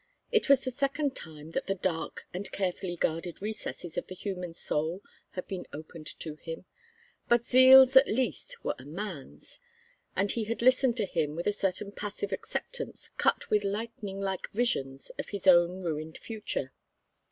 It was the second time that the dark and carefully guarded recesses of the human soul had been opened to him, but Zeal's at least were a man's, and he had listened to him with a certain passive acceptance cut with lightning like visions of his own ruined future.